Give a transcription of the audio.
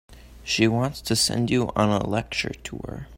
She wants to send you on a lecture tour.